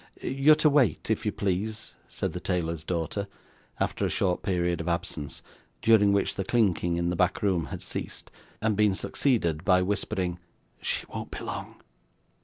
'You're to wait, if you please,' said the tailor's daughter, after a short period of absence, during which the clinking in the back room had ceased, and been succeeded by whispering 'She won't be long.